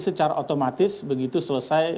secara otomatis begitu selesai